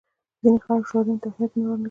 ځینې خلک شعارونو ته اهمیت ورنه کړي.